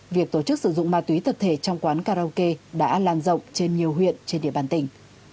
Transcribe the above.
việc tổ chức sử dụng ma túy tập thể trong quán karaoke đã lan rộng trên nhiều huyện trên địa bàn tỉnh